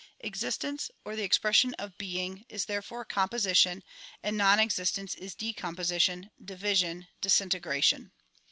Existence or the expression of being is therefore composi tion, and non existence is decomi^osition, division, disintegration.